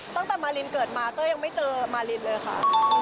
ตั้งแต่มารินเกิดมาเต้ยยังไม่เจอมารินเลยค่ะ